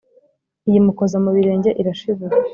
Iyimukoza mu birenge irashibura